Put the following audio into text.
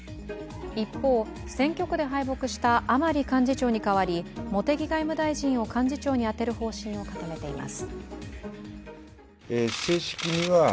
一方、選挙区で敗北した甘利幹事長に代わり、茂木外務大臣を幹事長に充てる方針を固めています。